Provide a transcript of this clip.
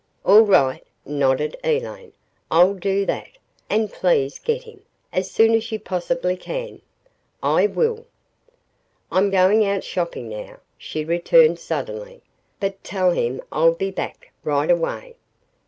"All right," nodded Elaine. "I'll do that. And please get him as soon as you possibly can." "I will." "I'm going out shopping now," she returned, suddenly. "But, tell him I'll be back right away."